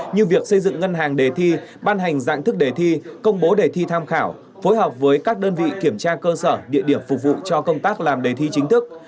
như việc xây dựng ngân hàng đề thi ban hành dạng thức đề thi công bố đề thi tham khảo phối hợp với các đơn vị kiểm tra cơ sở địa điểm phục vụ cho công tác làm đề thi chính thức